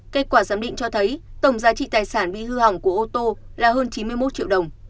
kết quả giám định cho thấy tổng giá trị tài sản bị hư hỏng của ô tô là hơn chín mươi một triệu đồng